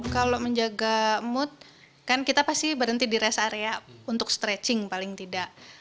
kalau menjaga mood kan kita pasti berhenti di rest area untuk stretching paling tidak